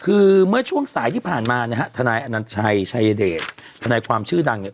คือเมื่อช่วงสายที่ผ่านมานะฮะทนายอนัญชัยชัยเดชทนายความชื่อดังเนี่ย